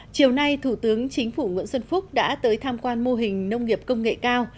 chiều nay thủ tướng chính phủ nguyễn xuân phúc đã tới tham quan mô hình nông nghiệp công nghệ cao